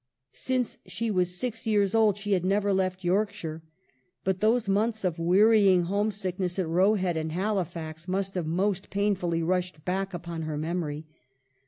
Since she was six years old she had never left Yorkshire ; but those months of wearying home sickness at Roe Head, at Halifax, must have most painfully rushed back upon her memory.